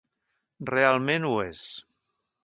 Realment ho és.